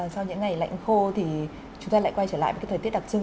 sau những ngày lạnh khô thì chúng ta lại quay trở lại với thời tiết đặc trưng